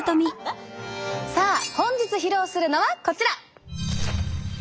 さあ本日披露するのはこちら！